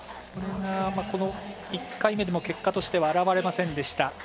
１回目でも結果として表れませんでした。